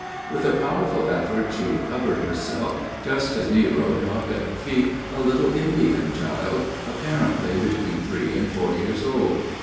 With a powerful effort, she recovered herself, just as Nero dropped at her feet a little Indian child, apparently between three and four years old.